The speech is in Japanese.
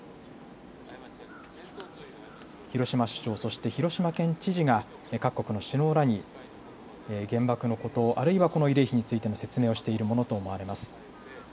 広島市長、そして広島県知事が各国の首脳らに原爆のこと、あるいはこの慰霊碑についての説明をしているものと見られます。